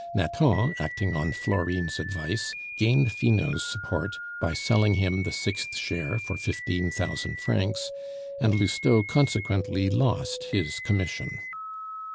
Nathan, acting on Florine's advice, gained Finot's support by selling him the sixth share for fifteen thousand francs, and Lousteau consequently lost his commission.